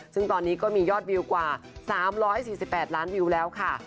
ซึ่งตอนนี้ก็มียอดวิวกว่า๓๔๘ล้านวิวแล้วค่ะ